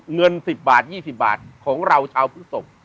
เงินสิบบาทยี่สิบบาทของเราชาวพุทธศพ